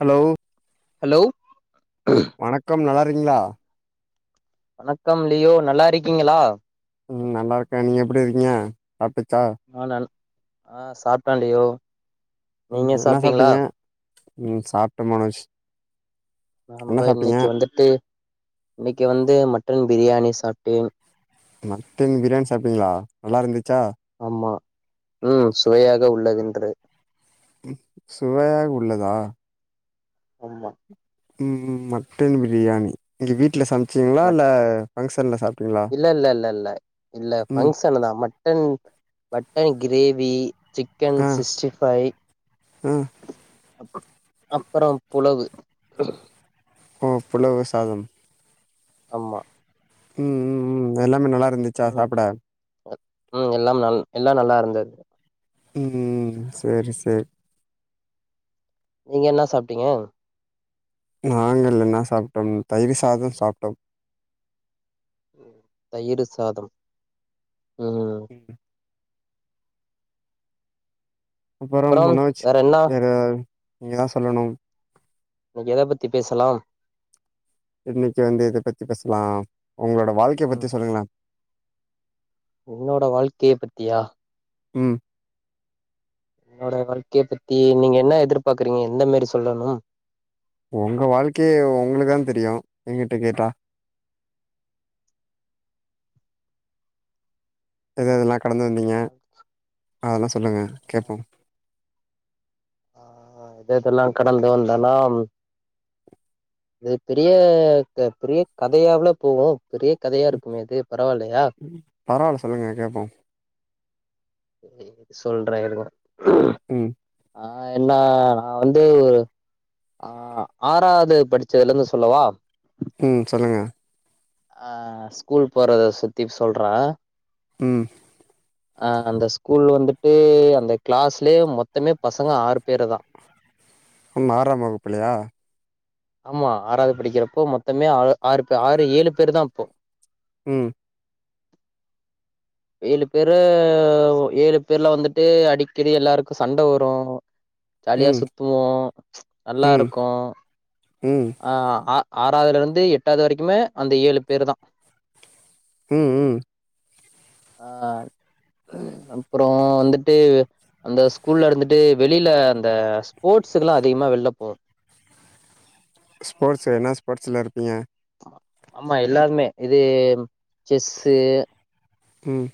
Hello hello வணக்கம் நல்லா இருக்கீங்களா வணக்கம் லியோ நல்லா இருக்கீங்களா ம் நல்லா இருக்கே நீங்க எப்பிடி இருக்கீங்க ஆபிச்சா ஆ நன் ஆ சாப்பிட்ட லியோ ம் நீங்க என்ன சாப்ட்டீங்களா சாப்பிட்டீங்க ம் சாப்பிட்ட மனோஜ் என்ன நம்பா சாப்ட்டீங்க இன்னிக்கு வந்துட்டு இன்னிக்கு வந்து மட்டன் பிரியாணி சாப்பிட்டேன் மட்டன் பிரியாணி சாப்டீங்களா நல்லா இருந்துச் ஆமா ம் சுவையாக உள்ளவது இன்றே சுவையாக உள்ளதா அம்மா ம் ம் மட்டன் பிரியாணி இங்க வீட்ல சம மட் இல்ல இல்ல இல்ல இல்ல இல்ல ம் பங்க்ஷன்தா மட் மட்டன் கிரேவி சிக்கன் ஆ சிஸ்டி ஃபை ஆ அப் அப்புறோ புலவு ஓ புலவு சாதம் அம்மா ம் ம் ம் எல்லாமே நல்லா இருந்துச்சா ம் சாப்பிட ம் எல்லாம் நல் எல்லாம் நல்லா இருந்தது ம் ம் சேரி சேர் நீங்க என்ன சாப்பிட்டீங்க நாங்கள் என்ன சாப்ட்டோம் தயிர் சாதம் சாப்ட்டோம் தயிரு சாதம் ம் ம் அப்புறம் மனோஜ் வேற நீங்கதான் சொல்லனும் இன்னைக்கு எதை பத்தி பேசலாம் இன்னைக்கு வந்து எத பத்தி பேசலாம் உங்களோட வாழ்க்கையை ம் பத்தி சொல்லுங்களேன் என்னோட வாழ்க்கையை பத்தியா ம் என்னோட வாழ்க்கையை பத்தி நீங்க என்ன எதிர்பாரக்குறீங்க எந்த மாரி சொல்லனும் உங்க வாழ்க்கையே உங்களுக்குதான் தெரியும் எங்கிட்ட கேட்டா து நாக் கடந்து வந்தீங்க அதெல்லாம் சொல்லுங்க கேப்போம் ஆ ஆ இத இதெல்லாம் கடந்து வந்தன்னா இது பெரிய பெரிய கதையாவுள போவும் பெரிய கதையா இருக்குமே இது பரவாயில்லையா பரவால்ல சொல்லுங்க கேட்போம் சொல்றேன் இருங்க ம் ஆ என்ன நா வந்து ஆ ஆறாவது படிச்சதுலருந்து சொல்லவா ம் சொல்லுங்க ஆ ஸ்கூல் போறத சுத்தி சொல்றேன் ம் அ அந்த ஸ்கூல் வந்துட்டு அந்த கிளாஸ்லே மொத்தமே பசங்க ஆறு பேரு தான் உன் ஆறாம் வகுப்புலையா ஆமா ஆறாவது படிக்கிறப்போ மொத்தமே ஆ ஆறு பேர் ஆறு ஏழு பேரு தான் அப்போ ம் ஏழு பேரு ஏழு பேர்ல வந்துட்டு அடிக்கடி எல்லாருக்கும் சண்ட வரும் ஜாலியா ம் சுத்துவோம் நல்லா ம் இருக்கும் ம் ஆ ஆ ஆறாவதுல இருந்து எட்டாவது வரைக்குமே அந்த ஏழு பேரு தா ம் ம் ஆ அப்பறோ வந்துட்டு அந்த ஸ்கூல்ல இருந்துட்டு வெளியில அந்த ஸ்போர்ட்ஸுக்குல்லா அதிகமா வெள்ல போ ஸ்போர்ட்ஸ்ஸு என்னா ஸ்போர்ட்ஸ்ல இருப்பீங்க ஆமா எல்லாருமே இது செஸ்ஸு ம்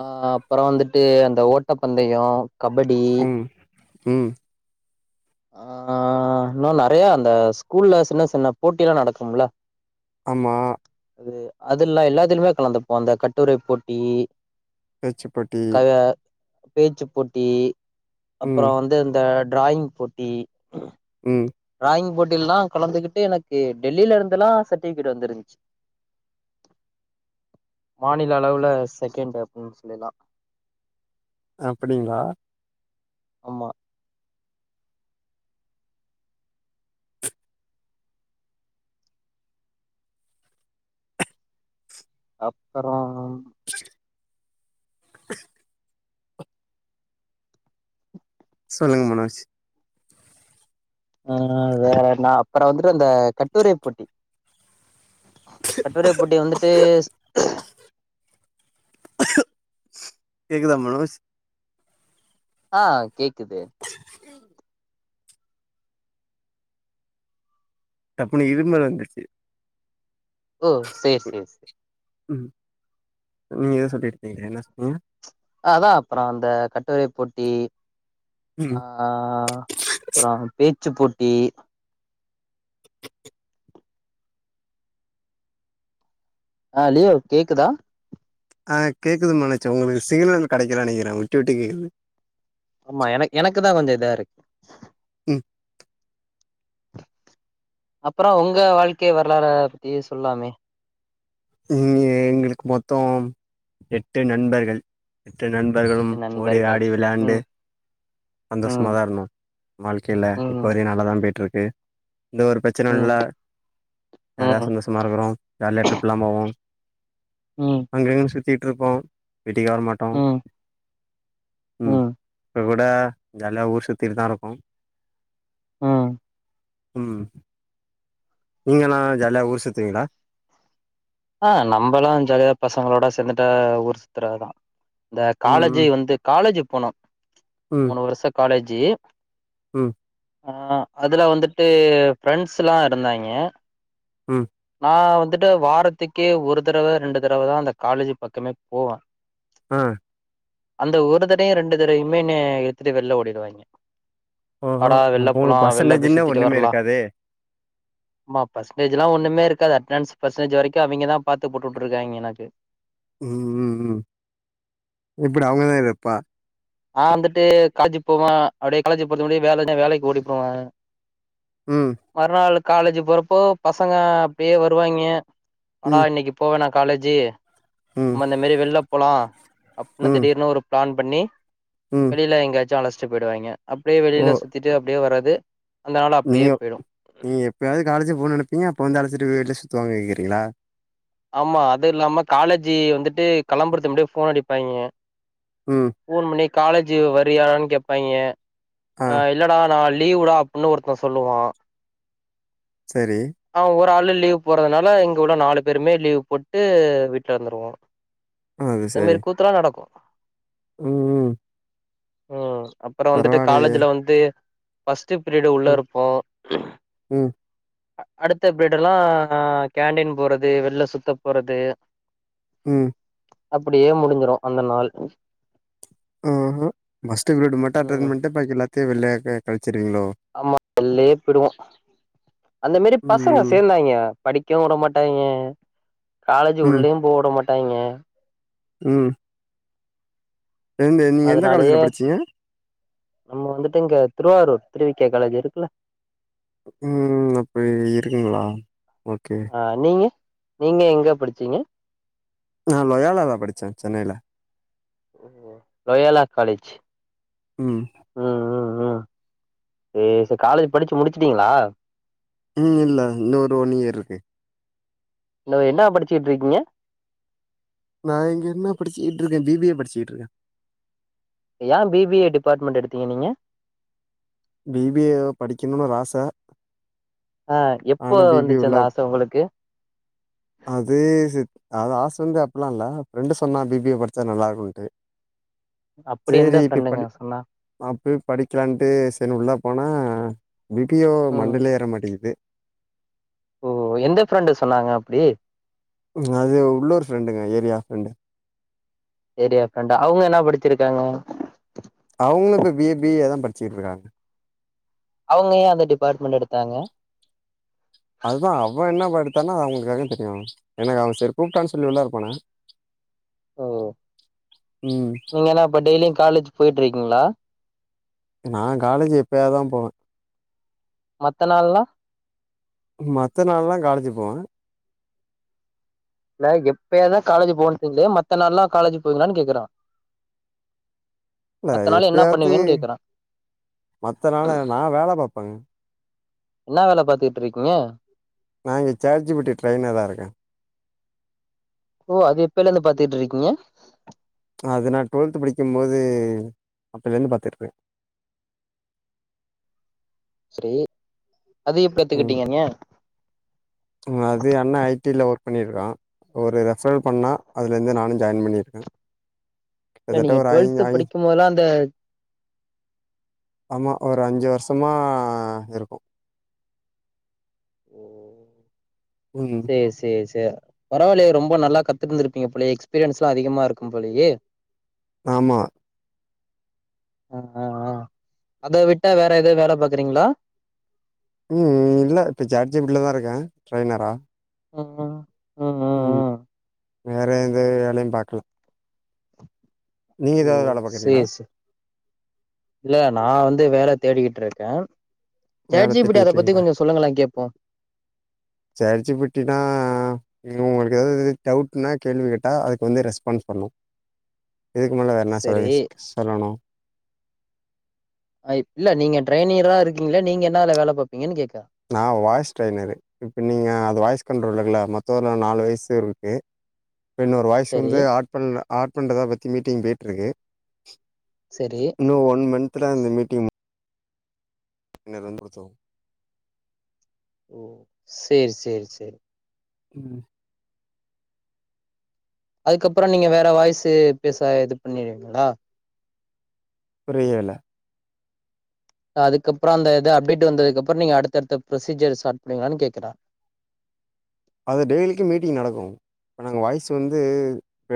ஆ அப்றோ வந்துட்டு அந்த ஓட்ட பந்தயு ம் ம் ஆ இன்னோ நறையா அந்த ஸ்கூல்ல சின்ன சின்ன போட்டி எல்லா நடக்கும் இல்ல ஆமா அது அதுல்லா எல்லாத்துலயுமே கலந்துப்போ அந்த கட்டுரை போட்டி பேச்சி போட்டி பேச்சிப் போட்டி அப்புற ம் வந்து இந்த டிராயிங் போட் டி ம் டிராயிங் போட்டி எல்லா கலந்துகிட்டு எனக்கு டெல்லில இருந்துல்லா சட்டிபிகேட் வந்துருந்துச்சி மாநில அளவுல செகன்ட் அப்டின்னு சொல்லிலா அப்டிங்ளா ஆமா அப்பறம் [inaudible] சொல்லுங்க மனோஜ் ஆ வேற நா அப்புற வந்துட்டு அந்த கட்டுரை போட்டி கட்டுரைப்போட்டி வந்துட்டு கேக்குதா மனோஜ் ஆ கேக்குதே டப்புன்னு இரும்பல் வந்துடுச்சி ஓ செரி செரி செ ம் நீங்க எதோ சொல்லிட்டு இருந்தீங்களே என்னா சொன்னிங்க அதா அப்புறம் அந்த கட்டுரை போட்டி ஆ ம் அப்புறம் பேச்சி போட் டி ஆ லியோ கேக்குதா ஆ கேக்குதுங் மனோஜ் ஒங்களுக்கு சிக்னல் கெடைக்கல நெனைக்கிறே விட்டு விட்டு கேக்குது ஆமா எனக் எனக்கு தான் கொஞ்சம் இதா இருக்கு ம் அப்புறம் உங்க வாழ்க்கைய வரலாற பத்தி சொல்லாமே நீங்க எங்களுக்கு மொத்தம் எட்டு நண்பர்கள் நண்பர்களு ஓடி நண்பர்கள் ஆடி விளாண்டு ம் சந்தோஷமா ம் தா இருந்தோ வாழ்க்கையில இப்போ ம் வரையு நல்லா தா போயட்டு இருக்கு கு எந்த ஒரு பிரச்சின ம் இல்ல ஜாலியா ம் சந்தோஷமா இருக்கிறோ ஜாலியா ட்ரிப் உ ம் அங்க எங்க சு இட்ருப்போ வீட்டுக்கேவரமாட்டோ ம் ம் இப்போ கூட ஜாலியா ஊர் சுத்தட்டுதா இருக்கோஉ ம் நீங்கன்னா ஜாலியா ஊர் சுத்துவீங்களா ஆ நம்மல்லா ஜாலியா பசங்களோட சேர்ந்துட்டு ஊர் சுத்துறதா இந்த ம் காலேஜி வந்து காலேஜ் போனோ மூணு வருஷ காலேஜ் ஜி உ ஆ அதுல வந்துட்டு ஃப்ரெண்ஸ்ல்லா இருந்தாங்க உ நா வந்துட்டு வாரத்துக்கே ஒரு தடவ ரெண்டு தடவ தா அந்த காலேஜ் பக்கமே போவே ஆ அந்த ஒரு தடையு ரெண்டு தடையுமேனு எடுத்துட்டு வெளில ஓடிடுவே ஓஹோ அடா வெள்ள அப்போ போலா உங்களுக்கு வெள்ள போய் பர்சன்டேஜ்ன்னே சுத்திட்டு ஒண்ணுமே வரலா இருக்காதே ஆமா பர்ன்டேஜ்ல்லா ஒண்ணுமே அட்னன்ஸ் பர்சன்டேஜ் வரைக்கு அவிங்கதா பாத்து போட்டுட்ருக்காங்க எனக்கு உ உ உ எப்படி அவங்கதா இருப்பா நா வந்துட்டு காலேஜிக்கு போவேன் அப்படியே காலேஜ் போறது முடியே வேலை வேலைக்கு ஓடி போட்வே ம் மறுநாள்க் காலேஜ் போறப்போ பசங்க அப்டியே வருவாங்க ஆனா ம் இன்னைக்கு போவேனா காலேஜி ம் ம்அந்ந மாரி வெல்ல போளா அப்டின்னு ம் திடீர்னு ஒரு பிளான் பண்ணி ம் வெளில எங்காச்சு அழச் ச்சுபெய்டுவாங்க அப்டியே ஓ வெளியில சுத்திட்டு அப்டியே வர்ரது நீங்க நீங்க எப்பாவது காலேஜ் போன்னு நெனப்பீங்க அப்ப வந்து அழச்சி வல சுத்து வாங்கங்குறீங்ளா ஆமா அது இல்லாம காலேஜி வந்துட்டு கெளம்புறத்துக்கு முன்னாடியே ஃபோன் அடிப்பாங்க ம் ஃபோன் பண்ணி காலேஜ் வரியான்னு கேப்பாங்க ஆ இல்லடா நா லீவுடா அப்டின்னு ஒருத்த சொல்லுவா சரி ஒத்தாளு லீவ் போறதுனால இங்க உள்ள நாலு பேருமே லீவ் போட்டு வீட்ல இருந்துருவோ இந்தமாரி கூத்தல்லா நடக்கு உம் உம் உம் அப்புற வந்துட்டு காலேஜ்ல வந்து பஸ் ஃபஸ்ட் பீரியடு உள்ள ம் இருப்போ ம் அடுத்த பீரிடூ எல்லா நா கேன்டீன் போறது வெள்ள சுத்த போறது உம் அப்டியே முடிஞ்சிரு அந்த நாள் ம்ஹு பஸ்ட்டு பீரியடு மட்டு ம் அட்டன்பன்னிட்டு பாக்கி எல்லாத்தயு வெள்ளேயே கழுச்சி அப்டிங்ளோ வெள்லே போயிடுவோ அந்த மாரி ம் பசங்க ம் சேந்தாங்க படிக்கவு விடமாட்டாங்க காலேஜு உள்ளேயு போகவிட மாட்டாங்க மாட்டங்க உம் காலேஜ்ல அதனாலயே படிச்சீங்க நம்ம வந்துட்டு இங்க திருவாரூர் திருவி கே காலேஜ் இருக்குல உம் ம் அப்டி இருக்குங்ளா அ நீங்க நீங்க எங்க படிச்சீங்க நான் லொயோலா ல படிச்சே சென்னைல்ல லொயாலா காலேஜ் ம் ம் ம் ம் சே சேரி காலேஜ் படிச்சி முடிச்சிட்டீங்களா ம் இல்ல இன்னொரு ஒன் இயர் இருக்கு இன்னு என்னா படிச்சிட்டு இருக்கீங்க நா இங்க என்ன படிச்சிட்டு இருக்கே பிபிஏ படிச்சிட்டு இருக்கே ஏ பிபிஏ டிபார்ட்மெண்ட் எடுத்தீங்க நீங்க பிபிஏ படிக்கணுன் ஒரு ஆச ஆ எப்ப ஆனா வந்துச்சி அந்த ஆச உங்களுக்கு அதே சித் அது ஆச வந்து அப்பில்லா இல்ல ஃப்ரெண்டு சொன்னா பிபிஏ படிச்சா நல்லா இருக்கும்ன்ட்டு அப்படி எந்த சேரி இப்ப ஃப்ரெண்டுங்க படி சொன்னா ஆ போய் படிக்கலாண்ட்டு சரினு உள்ள போனா பிபியோ ம் மண்டைல ஏற மாட்டேங்குது ஓ எந்த ஃப்ரெண்டு சொன்னாங்க அப்பிடி அது உள்ளொரு ஃப்ரெண்டுங்க ஏரியா ஃப்ரெண்டு ஏரியா ஃபிரெண்ட அவுங்க என்ன படிச்சிருக்காங்க அவங்களு இப்ப பிஏ பிஏதா படிச்சிட்டு இருக்காங்க அவுங்க ஏ அந்த டிபார்ட்மெண்ட் எடுத்தாங்க அதா அவன் என்ன படுத்தான்னா அ அவங்களுக்காக தெரியு எனக்கு அவ சரி கூப்பிட்டான் சொல்லி உள்ளாரப் போனே ஓ ம் நீங்க என்ன இப்ப டெய்லியு காலேஜ் போயிட்டு இருக்கீங்களா நா காலேஜ் எப்பயாதா போவே மத்த நாள்லா மத்த நாள்ல்லா காலேஜ் போவே இல்ல எப்பயாதா காலேஜ் போவனுங்களே மத்த நாள்ல்லா காலேஜ் போவீங்களான் கேக்குறா நா மத்த நாள் என்ன எப்பியாது பண்ணுவீங்கன்னு கேக்குறா மத்த நாள் நா வேல பாப்பேங்க இன்னா வேல பாத்துட்டு இருக்கீங்க நா இங்க சேட்ஜிபிட்டி ட்ரெயினரா இருக்கே ஓ அது எப்பில இருந்து பாத்துட்டு இருக்கீங்க அது நா டுவெல்த் படிக்கும்போது அப்பைலந்து பாத்துட்டு இருக்கே சரி அது எப்ப ம் கத்துக்கிட்டீங்க நீங்க அது அண்ணா ஐடில ஒர்க் பண்ணிருக்கா ஒரு ரெ ஃப்ரல் பண்ணா அதுல இருந்து நானு ஜாயின் பண்ணியிருக்கே. இல்ல நீங்க டொல்த் படிக்கும்போல்லா அந்த ஆமா ஒரு அஞ்சு வருஷமா இருக்கோம் ம் சேரி சேரி பே பரவாயில்லயே ரொம்ப நல்லா கத்துட்டுந்திருப்பீங்க போலையே எக்ஸ்பீரியன்ஸ் எல்லாம் அதிகமா இருக்கும் போலையே ஆமா ஆ ஆ ஆ அத விட்டா வேற எதாவது வேலை பாக்குறீங்களா ம் இல்ல இப்ப சாட் ஜி பி டி ல தான் இருக்கேன் ட்ரெய்னர்ரா ம் ம் ம் ம் வேற எந்த வேலையும் பாக்கல நீங்க எதாவது ம் வேல பாக்குறீங்களா சேரி சே இல்ல நான் வந்து வேல தேடிக்கிட்டு இருக்கேன் வேலை தேடிட்டுயிருக்கிங்களா கேப்போ சாட் ஜி பி டி னா நீங்க உங்களுக்கு ஏதாவது டவுட்ன்னா கேள்வி கேட்டா அதுக்கு வந்து ரெஸ்பான்ஸ் பண்ணும் இதுக்கு மேல வேற என்ன சொல் சரி சொல்லனும் இல்ல நீங்க ட்ரைனியர்ரா இருக்கீங்களா நீங்க என்னா வேலை பாப்பிங்கன்னு கேக்கு நான் வாய்ஸ் ட்ரெய்னரு இப்ப நீங்க அது வாய்ஸ் கண்ட்ரோல் இருக்குல மொத்தம் நாலு வாய்ஸ் இருக்கு என்னொட வாய்ஸ் சரி வந்து ஆட் பண்ணல ஆட் பண்ணுறத பத்தி மீட்டிங் போய்ட்டு இருக்கு சரி இன்னும் ஒன் மந்துல இந்த மீட்டிங் என்ன [unintelligible] ஓ செரி செரி செரி ம் அதுக்கப்புறம் நீங்க வேற வாய்சு பேச இது பண்ணிருவிங்களா புரியல அதுக்கு அப்புறம் அந்த இத அப்டேட் வந்ததுக்கு அப்புறம் நீங்க அடுத்தடுத்த ப்ரொசீஜர் ஸ்டார்ட் பண்ணுவிங்களான்னு கேக்குறேன் அது டெய்லிக்கும் மீட்டிங் நடக்கும் இப்ப நாங்க வாய்ஸ் வந்து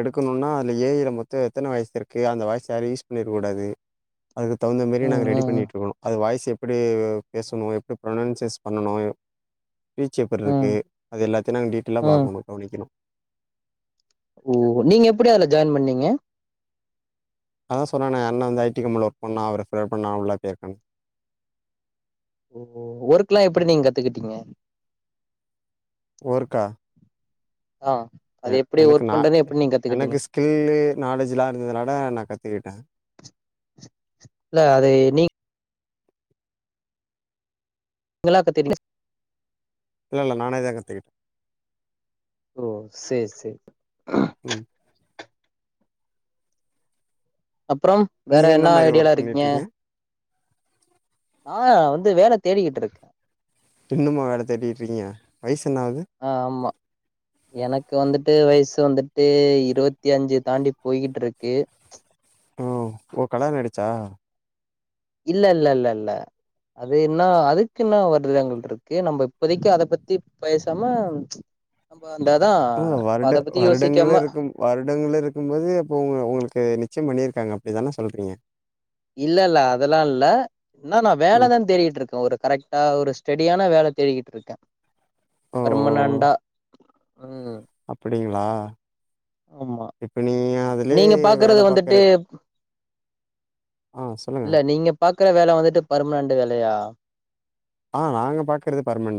எடுக்கனும்னா அதுல ஏ ஐ ல மொத்தம் எத்தனை வாய்ஸ் இருக்கு அந்த வாய்ஸ் யாரும் யூஸ் பண்ணிருக்கூடாது அதுக்கு தகுந்த மாரி ம் நாங்க ரெடி ம் பண்ணிட்டு இருக்கோம் அது வாய்ஸ் எப்படி பேசணும் எப்படி ப்ரனன்சியேஷன் பண்ணணும் ஸ்பீச் எப்படி ம் இருக்கு ம் அது எல்லாத்தையும் நாங்க டீட்டெயில்லா ம் பார்க்கனும் கவனிக்கனும் ஓ நீங்க எப்படி அதுல ஜாயின் பண்ணீங்க அதான் சொன்னேனே அண்ணண் வந்து ஐடி கம்பெனில ஒர்க் பண்ணா அவர் ஹெல்ப் பண்ண உள்ள போயிருக்கேன்னு ஓ ஒர்க் எல்லாம் எப்படி நீங்க கத்துக்கிட்டீங்க ஓர்க்கா ஆ அது எ எப்டி எனக்கு ஒர்க் நா பண்றது எப்டி நீங்க கத்துக்கிட்டீங்க எனக்கு ஸ்கில்லு நாலேஜுலா இருந்ததுனால நா கத்துக்கிட்டே இல்ல அது [unintelligible] இல்லெல்ல நானே தா கத்துக்கிட் ஓ சே சே ம் அப்றம் வேற நீங்க என்ன மாரி ஐடியால ஒர்க் இருக்கீங்க? பண்ணிட்ருக்கீங்க? ஆ வந் து வேல தேடிக்கிட்ருக்க ட்ருக்கிங்க வயசு என்ன ஆகுது? அ‌ ஆமா எனக் கு வந்துட்டு வயசு வந்துட்டு இருவத்தி அஞ்சு தாண்டி போய்கிட்ருக்கு ம் ஓ கல்யாண ஆயிடுச்சா இல்லெல்லெல்லெல்ல அது என்ன அதுக்கு என்ன வருடங்கள்ருக்கு நம்ப இப்பதைக்கு அத பத்தி பேசாம அந்த அதா ஓ வருட அத பத்தி வருடங்கள யோசிக்காம இருக்கும் வருடங்களுருக்கும் போது அப்ப உங்க உங்ளுக்கு நிச்யம் பண்ணிரு க்காங்க அப்டிதான சொல்றீங்க இல்லல்ல அதெல்லா இல்ல என்ன நா ம் வேலதா தேடிட்ருக்கே ஒரு கரெக்டா ஒரு ஸ்டெடியான வேல தேடிகிட்ருக்கே பர்மனெண்டா அப்பிடிங் ளா ஆமா இப்ப நீங்க அதுலே நீங்க வேல பாக்குறது வந்துட்டு பாக்குற ஆ சொல்லுங்க குற வேல வந்துட்டு பர்மனன்டு வேலயா? ஆ நாங்க பாக்குறது பர்மனன்ட்